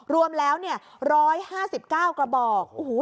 รวมแล้ว๑๕๙กระบอก